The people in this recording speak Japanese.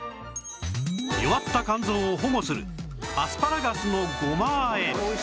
弱った肝臓を保護するアスパラガスのごま和え